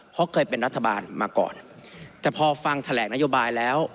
เพราะเคยเป็นรัฐบาลมาก่อนแต่พอฟังแถลงนโยบายแล้ว